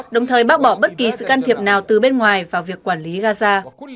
đồng thời bác bỏ bất kỳ sự can thiệp nào từ bên ngoài vào việc quản lý gaza